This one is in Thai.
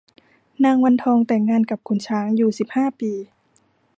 นางวันทองแต่งงานกับขุนช้างอยู่สิบห้าปี